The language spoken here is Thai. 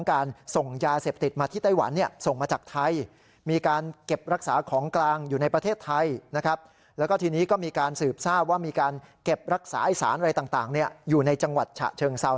อะไรต่างอยู่ในจังหวัดฉะเชิงเซา